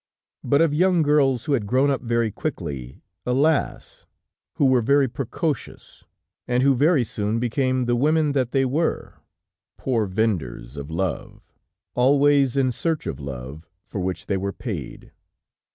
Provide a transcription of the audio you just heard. But of young girls, who had grown up very quickly, alas! who were very precocious, and who very soon became the women that they were, poor vendors of love, always in search of love for which they were paid.